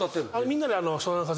みんなで。